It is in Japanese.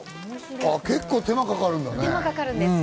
結構手間かかるんだね。